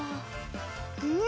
うん！